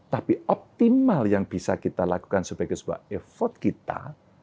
tapi optimal yang bisa kita lakukan sebagai sebuah effort kita